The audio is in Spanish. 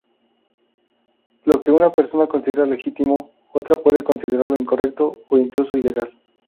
Lo que una persona considera legítimo, otra puede considerarlo incorrecto o incluso ilegal.